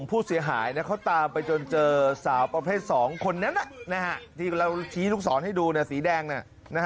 กลุ่มผู้เสียหายเนี่ยเขาตามไปจนเจอสาวประเภท๒คนนั้นนะที่เราชี้ลูกศรให้ดูเนี่ยสีแดงนะ